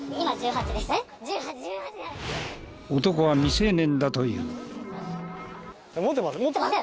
男は未成年だという。